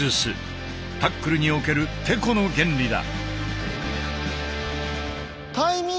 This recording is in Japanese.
タックルにおけるテコの原理だ。